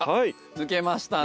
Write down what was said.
抜けましたね。